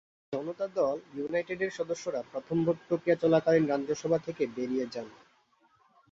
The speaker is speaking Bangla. জনতা দল ইউনাইটেডের সদস্যরা প্রথমে ভোট প্রক্রিয়া চলাকালীন রাজ্যসভা থেকে বেরিয়ে যান।